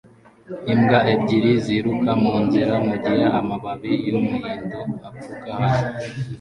Imbwa ebyiri ziruka munzira mugihe amababi yumuhindo apfuka hasi